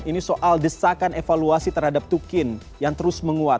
ini soal desakan evaluasi terhadap tukin yang terus menguat